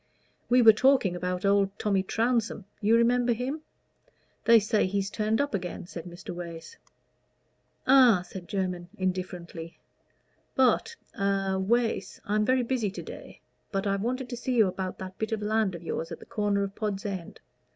"We were talking about old Tommy Trounsem; you remember him? They say he's turned up again," said Mr. Wace. "Ah?" said Jermyn, indifferently. "But a Wace I'm very busy to day but I wanted to see you about that bit of land of yours at the corner of Pod's End.